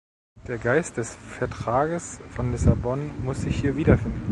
Der Geist des Vertrags von Lissabon muss sich hier wiederfinden.